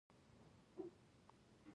الوتکه د سفر نوی طرز دی.